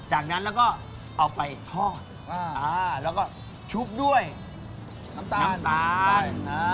จากนั้นแล้วก็เอาไปทอดแล้วก็ชุบด้วยน้ำตาลตาย